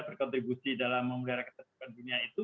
berkontribusi dalam memelihara ketertiban dunia itu